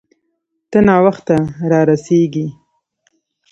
ته ناوخته را رسیږې